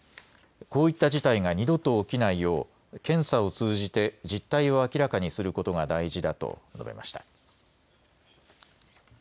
こういった事態が二度と起きないよう検査を通じて実態を明らかにすることが大事だと述べました。